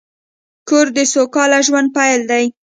کور د سوکاله ژوند پیل دی.